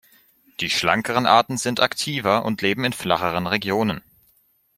Die schlankeren Arten sind aktiver und leben in flacheren Regionen.